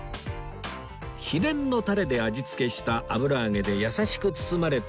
秘伝のタレで味付けした油揚げで優しく包まれた